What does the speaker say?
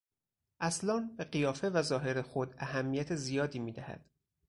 اصلان به قیافه و ظاهر خود اهمیت زیادی میدهد.